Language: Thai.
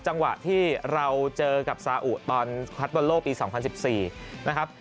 จังหวะที่เราเจอกับซาอุตอนคัดบอลโลกปี๒๐๑๔นะครับ